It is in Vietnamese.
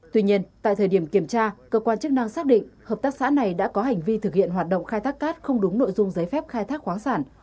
tuy nhiên tại thời điểm kiểm tra cơ quan chức năng xác định hợp tác xã này đã có hành vi thực hiện hoạt động khai thác cát không đúng nội dung giấy phép khai thác khoáng sản